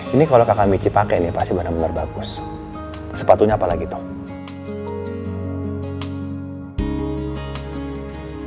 ini kalau kakak michi pake nih pasti bener bener bagus sepatunya apa lagi tong